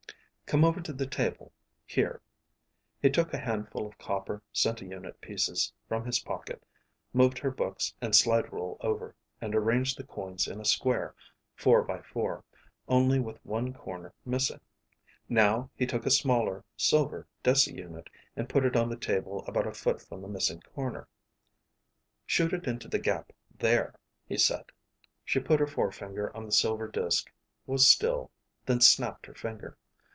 "Come over to the table. Here." He took a handful of copper centiunit pieces from his pocket, moved her books and slide rule over, and arranged the coins in a square, four by four, only with one corner missing. Now he took a smaller, silver deciunit and put it on the table about a foot from the missing corner. "Shoot it into the gap there," he said. She put her forefinger on the silver disk, was still, and then snapped her finger.